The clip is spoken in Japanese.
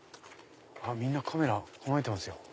みんなカメラ構えてますよ。